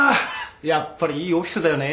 やっぱりいいオフィスだよね。